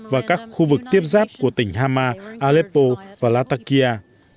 và các khu vực tiếp giáp của tỉnh hama aleppo và lattakia